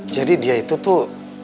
jadi dia itu tuh